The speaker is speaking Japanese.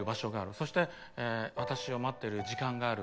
そして「私を待ってる時間がある。